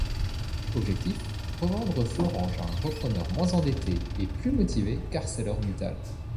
Objectif, revendre Florange à un repreneur moins endetté et plus motivé qu'ArcelorMittal.